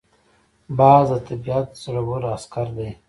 باز د طبیعت زړور عسکر دی